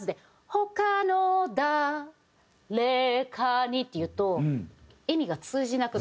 「他のだれかに」っていうと意味が通じなくなる。